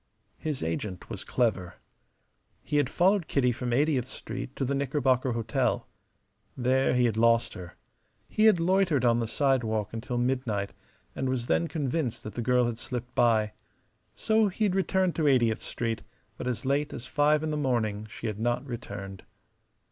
His agent was clever. He had followed Kitty from Eightieth Street to the Knickerbocker Hotel. There he had lost her. He had loitered on the sidewalk until midnight, and was then convinced that the girl had slipped by. So he had returned to Eightieth Street; but as late as five in the morning she had not returned.